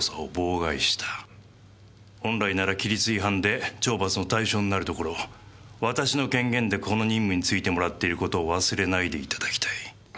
本来なら規律違反で懲罰の対象になるところを私の権限でこの任務に就いてもらっている事を忘れないで頂きたい。